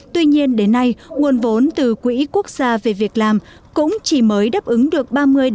tuy nhiên đến nay nguồn vốn từ quỹ quốc gia về việc làm cũng chỉ mới đáp ứng được